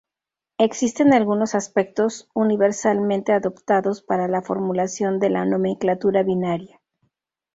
Existen algunos aspectos universalmente adoptados para la formulación de la nomenclatura binaria.